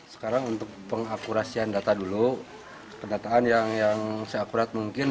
sekarang untuk pengakurasian data dulu pendataan yang seakurat mungkin